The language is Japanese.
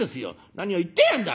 『何を言ってやがんだ』